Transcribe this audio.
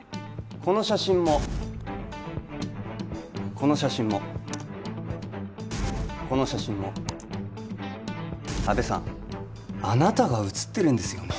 この写真もこの写真もこの写真も阿部さんあなたが写ってるんですよね